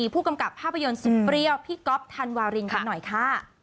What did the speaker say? ผู้กำกับภาพยนตร์สุดเปรี้ยวพี่ก๊อฟธันวารินกันหน่อยค่ะ